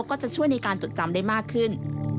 ก็จะช่วยในการจดจำได้มากขึ้น